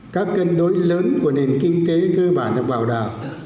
các cân đối lớn của nền kinh tế cơ bản được bảo đảm